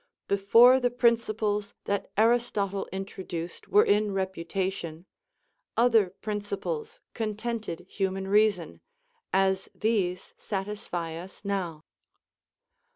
Before the principles that Aristotle introduced were in reputation, other principles contented human reason, as these satisfy us now.